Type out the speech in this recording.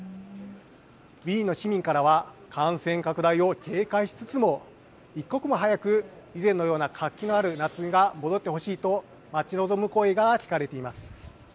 ウィーンの市民からは感染拡大を警戒しつつも一刻も早く以前のような活気のある姿が戻ってほしいと待ち望む声が聞かれています。